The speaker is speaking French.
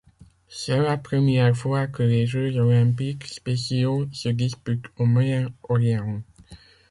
C'est la première fois que les Jeux olympiques spéciaux se disputent au Moyen-Orient.